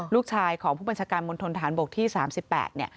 ลูกชายของผู้บัญชาการมณฑนฐานบกที่๓๘เนี่ย